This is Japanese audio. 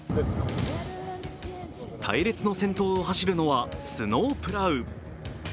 隊列の先頭を走るのはスノープラウ。